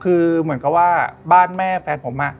คือเหมือนกับว่าบ้านแม่แฟนผม